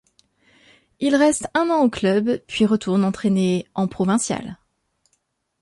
Il reste un an au club puis retourne entraîner en provinciales.